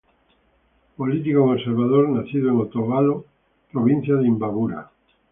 Político conservador nacido en Otavalo, provincia de Imbabura.